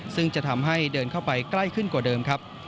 ซึ่งจะทำให้เดินเข้าไปใกล้ขึ้นกว่าเดิมครับ